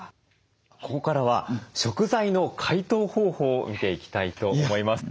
ここからは食材の解凍方法を見ていきたいと思います。